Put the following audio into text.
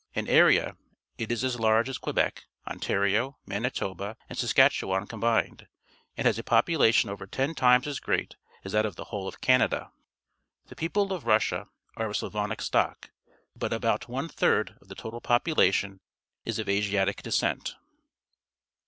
In area it is as large as Quebec, Ontario, Manitoba, and Saskatchewan combined and has a population over ten times as great as that of the whole of Canada. The people of Russia are of Slavonic stock, but about one third of the total population is of Asiatic descent.